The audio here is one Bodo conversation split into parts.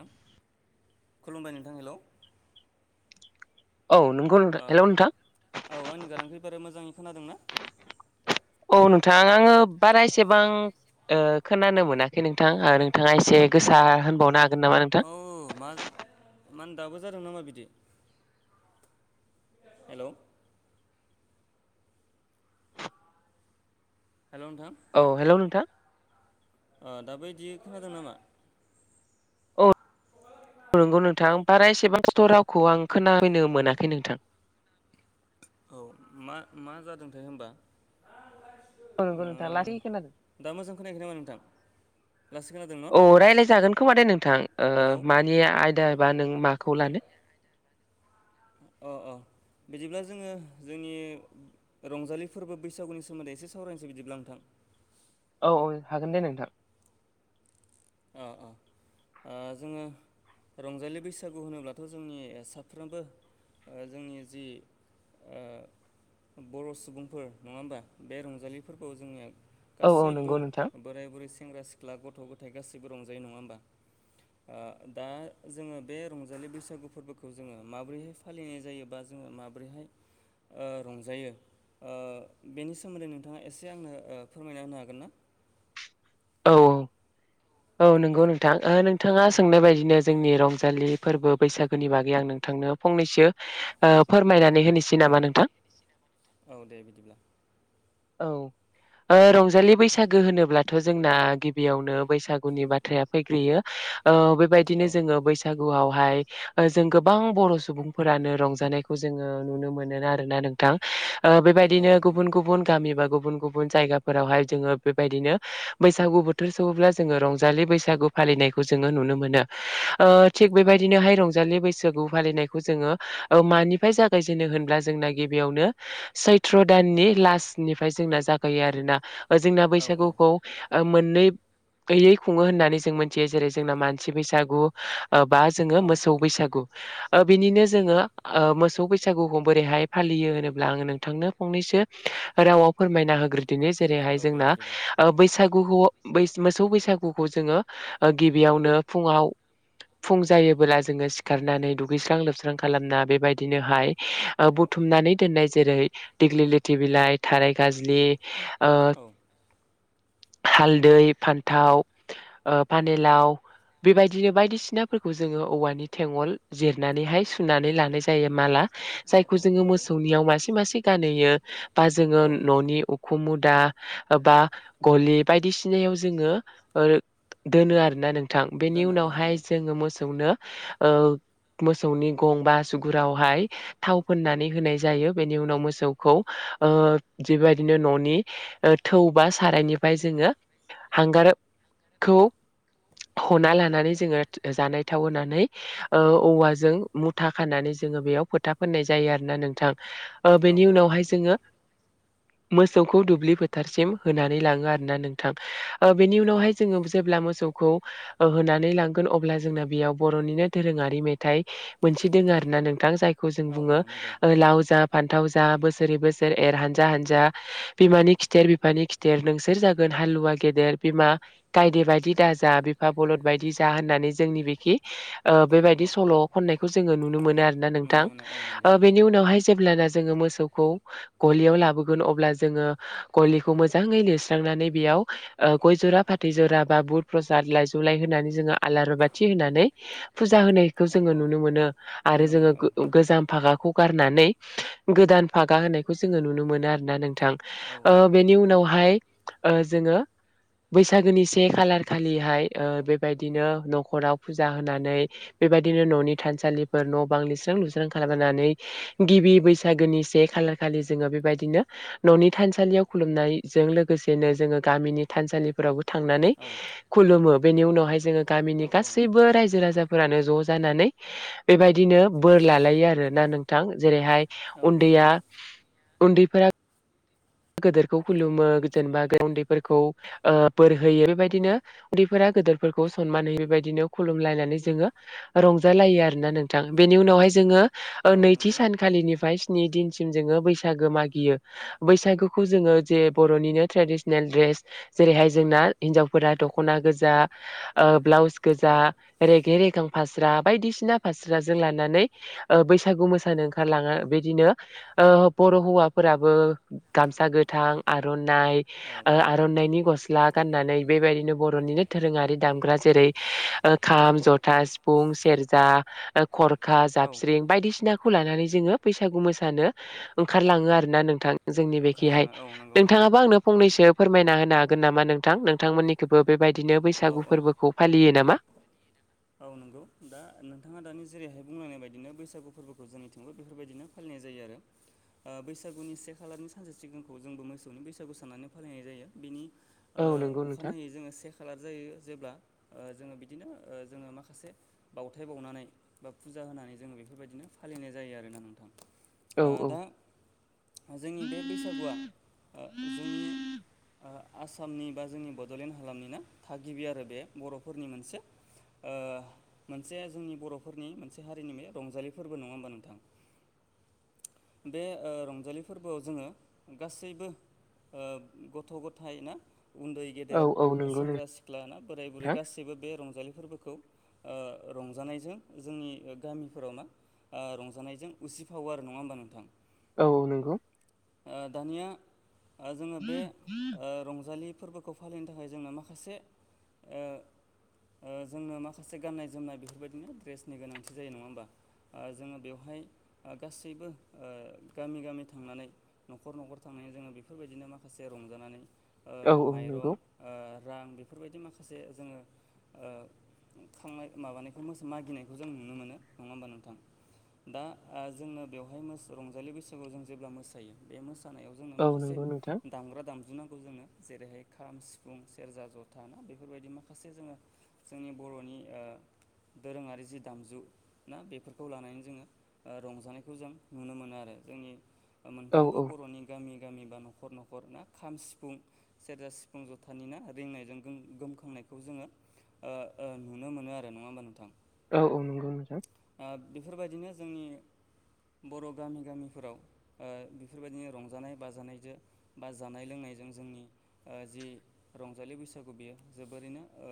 [unintelligible] खुलुमबाय नोंथां हेलौ। औ नंगौ नोंथां ओ हेलौ नोंथां। औ आंनि गारांखौ एबारो मोजाङै खोनादों ना? औ नोंथां आङो बारा एसेबां ओ खोनानो मोनाखै नोंथां नोंथाङा एसे गोसा होनबावनो हागोन गोन नामा औ मा नोंथां? मानो दाबो जादों नामा बिदि? हेलौ। हेलौ औ हेलौ नोंथां। अ दाबो इदि खोनादों नामा? औ। नोंगौ नोंथां बारा एसेबां सथ' रावखौ आं खोनाफैनो मोनाखै नोंथां। औ मा मा जादोंथाय होनबा? औ ओ नंगौ नोंथां लासै खोनादों दा मोजां खोनायाखै नामा नोंथां लासै खोनादों न' औ रायलायजागोन खोमा दे नोंथां ओ हेलौ माने आयदा बा नों माखौ लानो। [inaudible] अ अ। बिदिब्ला जोङो जोंनि रंजालि फोरबो बैसागुनि सोमोन्दै एसे सावरायनोसै बिदिब्ला नोंथां। [inaudible] औ औ हागोन दे नोंथां। ओ ओ ओ जोङो रंजालि बैसागु होनोब्लाथ' जोंनि साफ्रोमबो ओ जोंनि जि - ओ बर' सुबुंफोर नङा होमबा बे रंजालिफोरखौ जोङो औ औ गासैबो नंगौ नोंथां बोराय बुरै सेंग्रा सिख्ला गथ' गथाय गासैबो रंजायो नङा होमबा? आ दा जोङो बे रंजालि बैसागु फोरबोखौ जोङो माबोरैहाय फालिनाय जायो बा जों जों माब्रैहाय ओ रंजायो। ओ बेनि सोमोन्दै नोंथाङा एसे ओ आंनो फोरमायना होनो हागोन ना? औ औ। औ नंगौ नोंथां ओ नोंथाङा सोंनाय बायदिनो जोंनि रंजालि फोरबो बैसागोनि बागै आं नोंथ नोंथांनो फंनैसो ओ फोरमायनानै होनोसै औ नामा नोंथां। औ दे बिदिब्ला औ। ओ रंजालि बैसागो होनोब्लाथ' जोंना गिबियावनो बैसागुनि बाथ्राया फैग्रोयो। ओ औ बेबायदिनो जोङो बैसाग गुआवहाय ओ जों गोबां बर' सुबुंफोरानो रंजानायखौ जोङो नुनो मोनो आरोना नों थां ओ औ बेबायदिनो नंगौ गुबुन गुबुन गामि बा गुबुन गुबुन जायगाफोरावहाय जोङो बेबायदिनो बैसागु बोथोर सौफैब्ला जोङो रंजालि बैसागु फालिनायखौ जोङो नुनो मोनो ओ थिग औ बेबायदिनोहाय रंजालि बैसाग सागु फालिनायखौ जोङो ओ मानिफ्राय जागायजेनो होनब्ला जोंना गिबियावनो सैथ्र दा नि लासनिफ्राय जोंना जागायो आरोना जोंना ओ औ बैसागुखौ ओ मोननै गैयै खुङो होननानै जों मोनथियो जेरै जोंना मानसि बैसागु बा जोङो औ मोसौ बैसागु। ओ बिनिनो जोङो ओ मोसौ बैसागुखौ बोरैहाय फालियो होनोब्ला आङो नोंथांनो फंनैसो रावाव फोरमायना होग्रोदोनि जेरैहाय औ दे जोंना बिदिब्ला बैसागु ब मोसौ बैसागुखौ जोङो गिबियावनो फुङाव फुं जायोबोला जोङो सिखारनानै दुगैस्रां लोबस्रां खालामना बेबायदिनोहाय बुथुमनानै दोननाय जेरै दिग्लि लेथि बिलाइ थाराय गाज्लि ओ औ हालदै फान्थाव ओ पानिलाव बेबायदिनो बायदिसिनाफोरखौ जोङो औवानि थेगल जिरनानैहाय सुनानै लानाय जायो माला औ औ जायखौ जोङो नंगौ मोसौनियाव मासे मासे गानहैयो बा जोङो औ न'नि उखुमु मुदा बा गलि बायदिसिनायाव जोङो दोनो आरोना नोंथां बेनि दोनो औ उनावहाय नंगौ जोङो मोसौनो ओ मोसौनि गं बा आसुगुरावहाय थाव फोननानै होनाय जायो बेनि उनाव मोसौखौ बेबायदिनो न'नि थौ बा सारायनिफ्राय जोङो हांगारखौ हना लानानै जोङो जानाय थाव होनानै औ औवाजों मुथा खानानै जोङो बेयाव फोथा फोननाय जायो आरो ना नोंथां औ बेनि नंगौ उनावहाय नंगौ जोङो मोसौखौ दुब्लि फोथारसिम होनानै लाङो आरोना नोंथां बेनि औ उनावहाय जोङो जेब्ला मोसौखौ होनानै लांगोन अब्ला जोंना बेयाव बर'निनो दोरोङारि मेथाइ मोनसे दोङो आरोना नोंथां जायखौ जों औ बुङो नंगौ लाव जा फान्थाव जा बोसोरै बोसोरै एर हानजा हानजा बिमानि खिथेर बिफानि खिथेर नोंसोर जागोन हालुवा गेदेर बिमा गायदे बायदि दाज जा बिफा बलद बायदि जा होननानै जोंनि बिखि औ औ बेबायदि औ सल' खननायखौ जोङो नुनो मोनो आरोना नुनो मोनो औ नंगौ नोंथां औ बेनि उनावहाय जेब्लाना जोङो मोसौ खौ गलियाव लाबोगोन अब्ला जोङो गलिखौ मोजाङै लिरस्रांनानै बेयाव गय जरा फाथै जरा बा बुद प्रसाद लाइजौलाय होनानै जोङो आलारि बाथि होनानै फुजा होनाय औ जोङो औ नुनो मोनो आरो नुनो जोङो मोनो औ गोजाम फागाखौ गारनानै गोदान फागा होनायखौ जोङो नुनो मोनो आरो ना नोंथां औ औ बेनि नंगौ उनावहाय जोङो बैसागोनि से खालार खालिहाय बेबायदिनो न'खराव फुजा होनानै बेबायायदिनो न'नि थानसालिफोर न' बां लिरस्रां लुस्रां खालामनानै गिबि बैसागोनि से खालार खालि जोङो बेबायदिनो न'नि थानसालियाव खुलुमनायजों लोगोसेनो जोङो गामिनि थानसालिफोरावबो थांनानै औ खुलुमो बेनि उनावहाय जोङो गामिनि औ गासैबो रायजो राजाफोरानो ज' जानानै बेबायदिनो बोर लालायो आरोना नोंथां जेरैहाय औ नंगौ उन्दैया उन्दैफोरा गोदोरखौ खुलुमो जेनेबा उन्दैफोरखौ बोर होयो बेबायदिनो उन्दैफोरा गोदोरफोरखौ सनमानै बेबायदिनो खुलुमलायनानै जोङो रंजालायो आरोना नोंथां बेनि उनावहाय जोङो औ नैथि नंगौ सानखालिनिफ्राय स्नि दिनसिम जोङो बैसागो मागियो बैसागो खौ जोङो जे बर'निनो ट्रेडिसनेल ड्रेस जेरैहाय जोंना हिनजावफोरा दख'ना गोजा बा बाउस औ गोजा फास्रा बायदिसिना फास्राजों लानानै बैसागु मोसानो ओंखारलाङो बिदिनो बर' हौवाफोराबो गामसा गोथां आर'नाइ औ आर'नाइनि गस्ला गाननानै बेबायदिनो बर'निनो दोरोङारि दामग्रा जेरै खाम जथा सिफुं सेरजा औ जाबस्रिं बायदिसिनाखौ लानानै जोङो बैसागु मोसानो ओंखारलाङो आरोना नोंथां जोंनि बेखिहाय ओंखारलाङो औ नंगौ नंगौ नोंथाङाबो आंनो फंनैसो फोरमायना होनो हागोन नामा नोंथां नोंथांमोननिखौबो बेबायदिनो औ बैसागु औ फोरबोखौ फालियो नामा औ नंगौ दा नोंथाङा दानि जेरैहाय बुंलायनाय बायदिनो बैसागु फोरबोखौ जोंनिथिंबो बेफोरबायदिनो फालियो। नाय जायो आरो ओ बैसागुनि से खालारनि सानसे सिगांखौ जोंबो मोसौनि बैसागु साननानै फालिनाय जायो बेनि ओ औ नंगौ नोंथां अखानायनायै जोङो से खालार जायो जेब्ला ओ जोङो बिदिनो ओ जोङो माखासे बावथाय बावनानै बा फुजा होनानै जोङो बेफोरबायदिनो फालिनाय जायो आरोना नोंथां। औ ओ औ दा जोंनि बे बैसागुआ ओ जोंनि ओ। आसामनि बा जोंनि बड'लेण्ड हालामनिनो थागिबि आरो बे बर'फोरनि मोनसे ओ मोनसेया जोंनि बर'फोरनि मोनसे हारिनि बे रंजालि फोरबो नङा होमबा नोंथां। बे ओ रंजालि फोरबोआव जोङो गासैबो ओ गथ' गथाय ना। उन्दै औ गेदेर औ नंगौ सेंग्रा सिख्ला ना बोराय बुरै नोंथां गासैबो बे रंजालि फोरबोखौ ओ रंजानायजों जोंनि गामिफोराव मा ओ रंजानायजों उसिफावो आरो नङा होमबा नोंथां। औ नंगौ। ओ दानिया ओ जोङो बे ओ रंजालि फोरबोखौ फालिनो थाखाय जोंनो माखासे ओ ओ। जोंनो माखासे गाननाय जोमनाय बेफोरबायदिनो ड्रेसनि गोनांथि जायो नङा होमबा ओ जोङो बेवहाय गासैबो ओ गामि गामि थांनानै न'खर न'खर थांनानै जोङो बेफोरबायदिनो माखासे रंजा जानानै ओ औ औ माइरं नंगौ ओ रां बेफोरबायदि माखासे जोङो ओ खांनाय माबानायखौ मोस मागिनायखौ जों नुनो मोनो नङा होमबा नोंथां दा आं जोङो बेवहाय मोसौ रंजालि बैसागु जों जेब्ला मोसायो बे मोसौ खानायाव जोंनो औ माखासे नंगौ नोंथां दामग्रा दामजुनांग खौ जोङो जेरैहाय खाम सिफुं सेरजा जथा ना बेफोरबायदि माखासे जोङो जोंनि बर'नि ओ दोरोङारि जि दामजु ना बेफोरखौ लानानै जोङो ओ रंजानायखौ जों नुनो मोनो आरो जोंनि औ मोनफ्रोमबो औ बर'नि गामि गामि बा न'खर न'खर ना खाम सिफुं सेरजा सिफुं ज'थानि ना रिंनायजों गोमखांनाय। बेखौ जोङो ओ ओ नुनो मोनो आरो नङा होमबा नोंथां। औ औ नंगौ नोंथां। दा बेफोरबायदिनो जोंनि बर' गामि गामिफोराव ओ बेफोरबायदिनो रंजानाय बाजानायजों बा जानाय लोंनाय नाय जों जोंनि ओ जि रंजालि बैसागु बियो जोबोरैनो ओ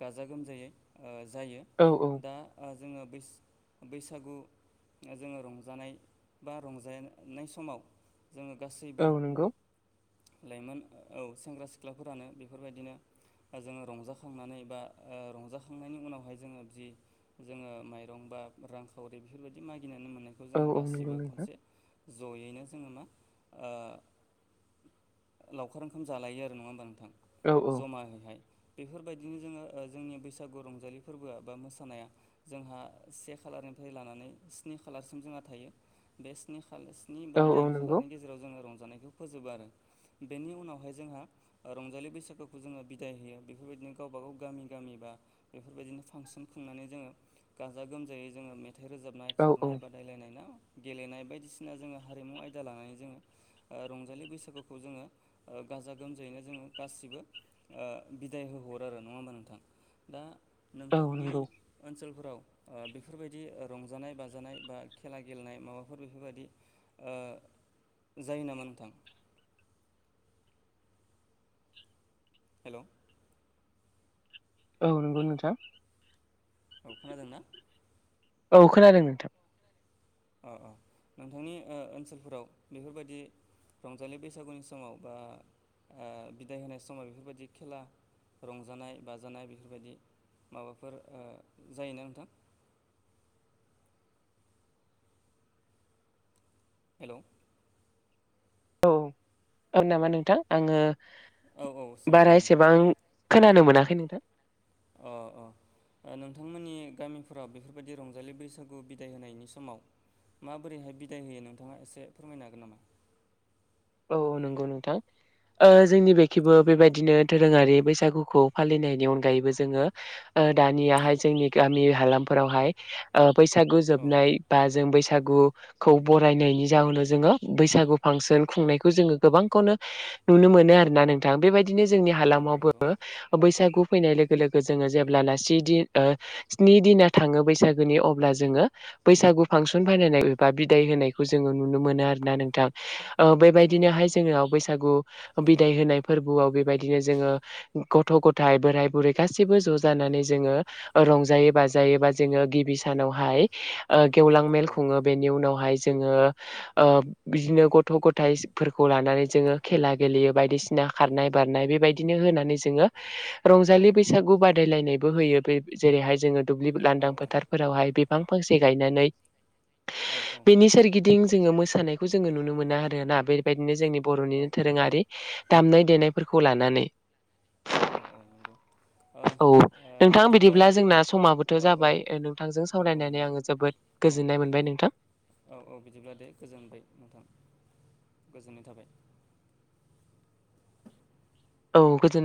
गाजा गोमजायै ओ जायो। औ औ दा जोङो बैस बैसागु जोङो रंजानाय बा रंजानाय समाव। जोङो औ गासैबो नंगौ लाइमोन औ सेंग्रा सिख्लाफोरानो बेफोरबायदिनो जोङो रंजाख खानानै बा रंजाखांनायनि उनावहाय जोङो जि जोङो माइरं बा रांखावरि बेफोरबायदि मागिनानै मोननायखौ औ जोंङो औ नंगौ गासिबो नोंथां खनसे जयैनो जोङो मा ओ लावखार ओंखाम जालायो आरो नङा होमबा नोंथां औ औ जमायैहाय। बेफोरबायदिनो जोङो ओ जोंनि बैसागु रंजालि फोरबोआ बा मोसानाया जोंहा से खालारनि फ्राय लानानै स्नि खालारसिम जोंहा थायो बे स्नि खा खालि सनि बा औ औ दाइन नंगौ खालारनि गेजेराव जोङो रंज जानायखौ फोजोबो आरो बेनि उनावहाय जोंहा रंजालि बैसागुखौ जोङो बिदाय होयो। बेफोरबायदिनो गावबा गाव गामि गामि बा बेफोरबायदिनो फांसन खुंनानै जोङो गाजा गोमजायै जोङोे मेथाइ रोजाबनाय औ औ खारनाय बादायलायनायनाव गेलेनाय बायदिसिना जोङो हारिमु आयदा लानानै जोङो ओ रंजालि बैसागुखौ जोङो ओ गाजा गोमजायैनो जोङो गासिबो ओ बिदाय होहर आरो नङा होमबा नोंथां दा औ नोंथांनि नंगौ ओनसोलफोराव ओ ओ बेफोरबायदि रंजानाय बाजानाय बा खेला गेलेनाय माबाफोर बेफोरबायदि ओ जायो नामा नोंथां? हेल' औ नंगौ नोंथां। अ खोनादोंना? औ खोनादों नोंथां। अ अ नोंथांनि ओ ओनसोलफोराव बेफोरबादि रंजालि बैसागुनि समाव बा ओ बिदाय होनाय समाव बेफोरबायदि खेला रंजानाय बाजानाय बेफोरबायदि माबाफोर ओ जायोना नोंथां? [unintelligible] हेल' औ [unintelligible] नामा नोंथां आङो औ औ बारा सोंदोंमोन आं। एसेबां खोनानो मोनाखै नोंथां। अ अ ओ नोंथांमोननि गामिफोराव बेफोरबायदि रंजालि बैसागु बिदाय होनायनि समाव माबोरैहाय बिदाय होयो नोंथाङा एसे फोरमायनो हागोन नामा? औ नंगौ नोंथां। ओ जोंनि बेखिबो बेबायदिनो दोरोङारि बैसागुखौ फालिनायनि अनगायैबो जोङो ओ औ दानियाहाय जोंनि गामि हालामफोरावहाय ओ बैसागु औ जोबनाय बा जों बैसा गुखौ बरायनायनि जाहोनाव जोङो बैसागु फांसन खुंनायखौ जोङो गोबांखौनो नुनो मोनो आरोना नोंथां बेबाय दिनो जोंनि औ हालामावबो नंगौ बैसागु फैनाय लोगो लोगो जोङो जेब्ला लासि दि ओ स्नि दिना थाङो बैसागुनि अब्ला जोङो बैसागु फांसन फायनाय एबा बिदाय होनायखौ जोङो नुनो मोनो आरो ना नोंथां। औ बेबायदिनोहाय जोंनिआव बैसागु बिदाय होनाय फोरबोआव बेबायदिनो जोङो गथ' गथाइ बोराय बुरै गासैबो ज' जानानै जों ङो रंजायो बाजायोबा जोङो गिबि सानावहाय ओ गेवलां मेल औ खुङो बेनि उनावहाय जोङो ओ बिदिनो ग थ' गथाइफोरखौ लानानै जोङो खेला गेलेयो बायदिसिना खारनाय बारनाय बेबायदिनो होनानै जोङो रंजालि बैसागु बादायलायनायबो होयो बे जेरैहाय जोङो दुब्लि औ लांदां फोथारफोरावहाय बिफां फांसे गायनानै औ बेनि सोरगिदिं जोङो मोसानायखौ जोङो नुनो मोना आरोना बेबायदिनो जोंनि बर'निनो औ दोरोङारि दामनाय देनायफोरखौ लानानै औ औ नंगौ। ओ औ नोंथां बिदिब्ला जोंना समाबोथ' औ औ जाबाय ओ नोंथांजों औ औ सावरायनानै नंगौ आङो जोबोद औ गोजोननाय मोनबाय नोंथां। औ औ बिदिब्ला दे गोजोनबाय नोंथां गोजोननाय थाबाय। औ गोजोन